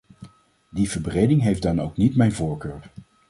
Die verbreding heeft dan ook niet mijn voorkeur.